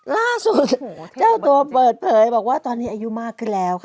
ล่าสุดเจ้าตัวเปิดเผยบอกว่าตอนนี้อายุมากขึ้นแล้วค่ะ